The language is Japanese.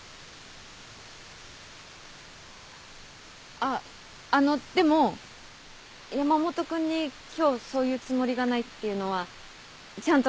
あっあのでも山本君に今日そういうつもりがないっていうのはちゃんと分かってるから。